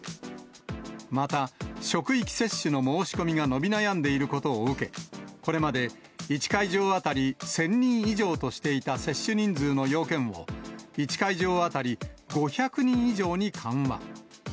また、職域接種の申し込みが伸び悩んでいることを受け、これまで１会場当たり１０００人以上としていた接種人数のようけんを、１会場当たり、５００人以上に緩和。